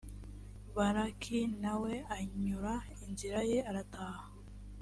balaki na we anyura inzira ye, arataha.